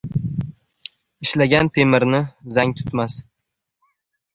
• Ishlagan temirni zang tutmas.